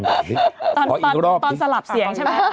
บ๊าย